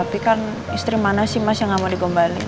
tapi kan istri mana sih mas yang nggak mau digombalin